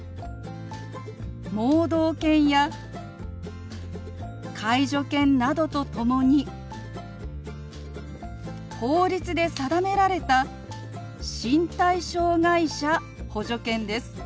盲導犬や介助犬などと共に法律で定められた身体障害者補助犬です。